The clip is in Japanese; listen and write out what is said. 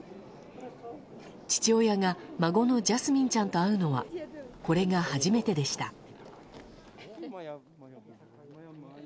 父親が孫のジャスミンちゃんと会うのは、これが初めてでした。